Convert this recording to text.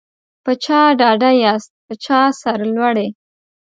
په چا ډاډه یاست په چا سرلوړي